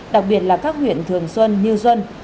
đặc biệt là các huyện thường xuân như xuân